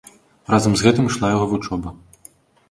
Разам з гэтым ішла яго вучоба.